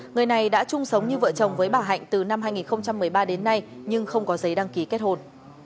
người này đã chung sống như vợ chồng với bà hạnh từ năm hai nghìn một mươi ba đến nay nhưng không có giấy đăng ký kết hôn